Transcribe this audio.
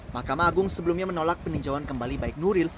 mahkamah agung sebelumnya menolak peninjauan kembali baik nuril